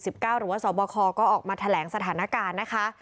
หรือว่าสบคก็ออกมาแถลงสถานการณ์นะคะ